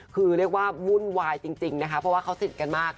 คือเรียกว่าวุ่นวายจริงนะคะเพราะว่าเขาสนิทกันมาก